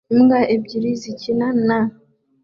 Imbwa ebyiri zikina na